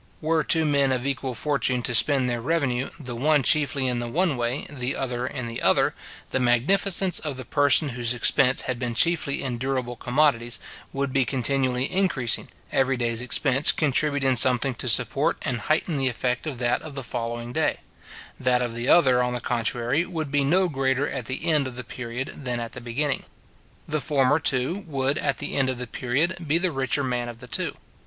Were two men of equal fortune to spend their revenue, the one chiefly in the one way, the other in the other, the magnificence of the person whose expense had been chiefly in durable commodities, would be continually increasing, every day's expense contributing something to support and heighten the effect of that of the following day; that of the other, on the contrary, would be no greater at the end of the period than at the beginning. The former too would, at the end of the period, be the richer man of the two.